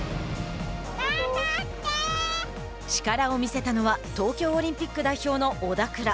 力を見せたのは東京オリンピック代表の小田倉。